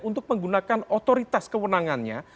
untuk menggunakan otoritas kewenangannya